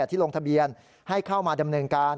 ที่ลงทะเบียนให้เข้ามาดำเนินการ